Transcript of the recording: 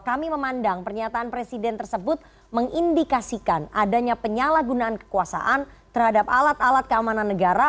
kami memandang pernyataan presiden tersebut mengindikasikan adanya penyalahgunaan kekuasaan terhadap alat alat keamanan negara